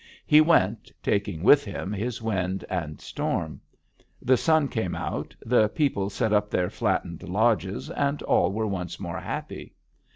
He went, taking with him his wind and storm. The sun came out, the people set up their flattened lodges, and all were once more happy.